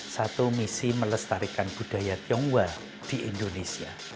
satu misi melestarikan budaya tionghoa di indonesia